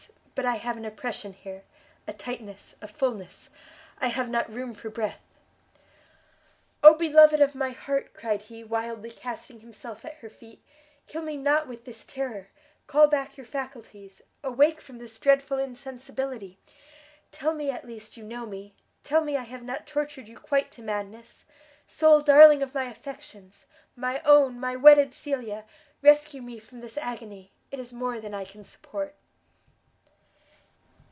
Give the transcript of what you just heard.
but I have an oppression here, a tightness, a fulness, I have not room for breath!" "Oh beloved of my heart!" cried he, wildly casting himself at her feet, "kill me not with this terror! call back your faculties, awake from this dreadful insensibility! tell me at least you know me! tell me I have not tortured you quite to madness! sole darling of my affections! my own, my wedded Cecilia! rescue me from this agony! it is more than I can support!"